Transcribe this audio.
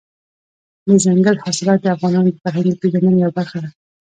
دځنګل حاصلات د افغانانو د فرهنګي پیژندنې یوه برخه ده.